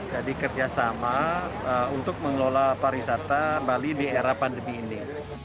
jadi kerjasama untuk mengelola para wisata bali di era pandemi ini